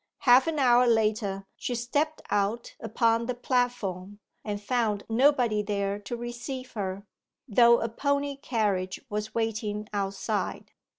Half an hour later she stepped out upon the platform, and found nobody there to receive her though a pony carriage was waiting outside.